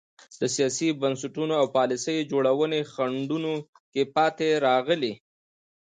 د سیاسي بنسټونو او پالیسۍ جوړونې خنډونو کې پاتې راغلي.